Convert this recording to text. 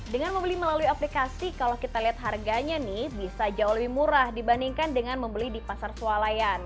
dengan membeli melalui aplikasi kalau kita lihat harganya bisa jauh lebih murah dibandingkan dengan membeli di pasar sualayan